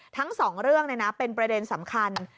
ทั้งสองเรื่องเป็นประเด็นสำคัญ